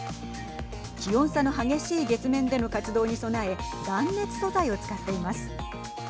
気温差の激しい月面での活動に備え断熱素材を使っています。